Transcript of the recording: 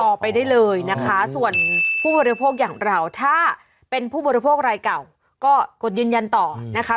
ออกไปได้เลยนะคะส่วนผู้บริโภคอย่างเราถ้าเป็นผู้บริโภครายเก่าก็กดยืนยันต่อนะคะ